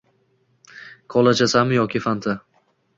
Kola ichasanmi yo fanta?